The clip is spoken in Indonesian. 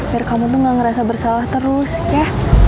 biar kamu tuh gak ngerasa bersalah terus ya